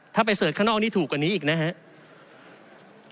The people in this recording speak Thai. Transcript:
ถ้าไปเสิร์ชข้างนอกนี่ถูกกว่านี้อีกนะครับ